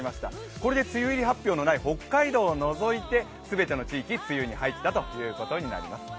これで梅雨入り発表のない北海道を除いて全ての地域、梅雨に入ったということになります。